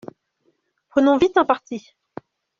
Prenons vite un parti.